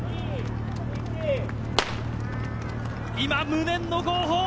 今、無念の号砲。